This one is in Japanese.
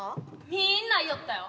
みんないよったよ。